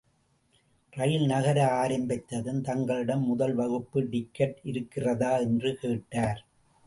ரயில் நகர ஆரம்பித்ததும் தங்களிடம் முதல் வகுப்பு டிக்கட் இருக்கிறதா? என்று கேட்டார்.